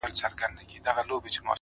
خندا چي په ظاهره ده ژړا ده په وجود کي _